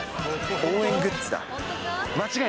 応援グッズだ。